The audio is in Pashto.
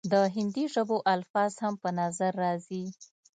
د هندي ژبو الفاظ هم پۀ نظر راځي،